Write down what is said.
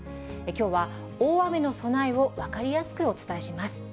きょうは大雨の備えを分かりやすくお伝えします。